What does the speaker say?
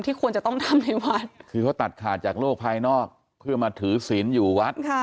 ควรจะต้องทำในวัดคือเขาตัดขาดจากโลกภายนอกเพื่อมาถือศีลอยู่วัด